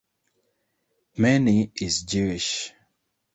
Manny is Jewish.